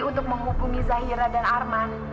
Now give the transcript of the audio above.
untuk menghubungi zahira dan arman